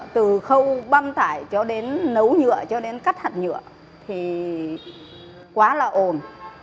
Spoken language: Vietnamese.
từ khâu băm tải cho đến nấu nhựa cho đến cắt hạt nhựa thì quá là ồn